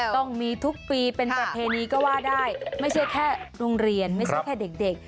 ต้องมีทุกปีเป็นประเพณีก็ว่าได้ไม่ใช่แค่โรงเรียนไม่ใช่แค่เด็ก